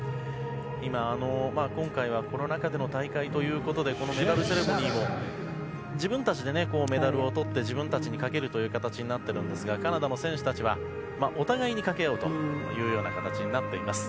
今回はコロナ禍での大会ということでメダルセレモニーも自分たちでメダルをとって自分たちにかけるという形になっているんですがカナダの選手たちはお互いにかけ合うというような形になっています。